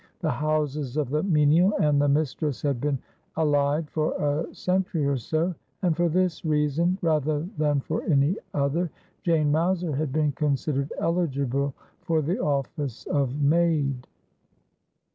The houses of the menial and the mistress had been allied for a century or so ; and for this reason, rather than for any other, Jane Mowser had been considered eligible for the ofiice of maid.